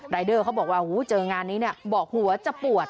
รายเดอร์เขาบอกว่าเจองานนี้บอกหัวจะปวด